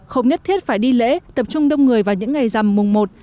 không nhất thiết phải đi lễ tập trung đông người vào những ngày rằm mùng một